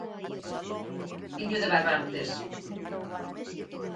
Viño de Barrantes.